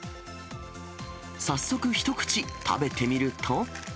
早速一口、食べてみると。